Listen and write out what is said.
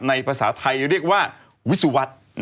ภาษาไทยเรียกว่าวิศวรรษ